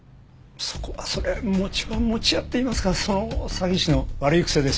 そこはそれ餅は餅屋っていいますかその詐欺師の悪い癖で。